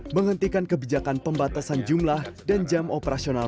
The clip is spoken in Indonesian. menghentikan kebijakan pembatasan jumlah dan jam operasional